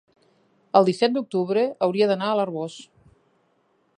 el disset d'octubre hauria d'anar a l'Arboç.